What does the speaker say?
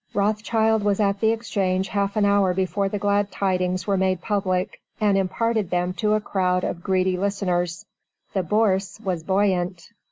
Rothschild was at the Exchange half an hour before the glad tidings were made public, and imparted them to a crowd of greedy listeners. The Bourse was buoyant.